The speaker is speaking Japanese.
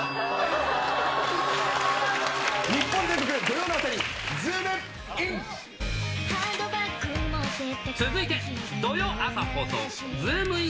日本全国土曜の朝にズームイ続いて、土曜朝放送、ズームイン！！